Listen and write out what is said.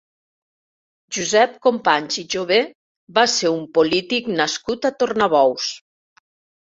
Josep Companys i Jover va ser un polític nascut a Tornabous.